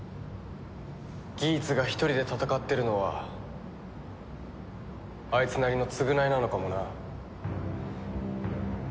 ギーツが一人で戦ってるのはあいつなりの償いなのかもな。